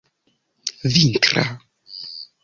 vintra